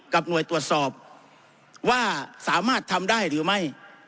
หน่วยตรวจสอบว่าสามารถทำได้หรือไม่